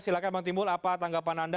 silahkan bang timbul apa tanggapan anda